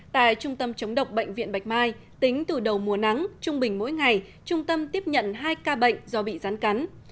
tại trung tâm chống độc bệnh viện bạch mai tính từ đầu mùa nắng trung bình mỗi ngày trung tâm tiếp nhận hai ca bệnh do bị rắn cắn